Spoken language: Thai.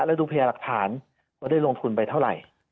แล้วดูพยาหลักฐานว่าได้ลงทุนไปเท่าไหร่